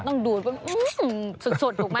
ต้องดูดสุดถูกไหม